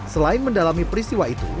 selain mendalami peristiwa itu